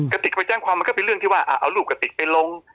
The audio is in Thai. ติกไปแจ้งความมันก็เป็นเรื่องที่ว่าเอารูปกระติกไปลง